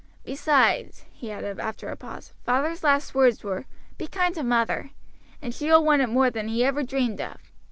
Besides," he added after a pause, "father's last words were, 'Be kind to mother;' and she will want it more than he ever dreamed of."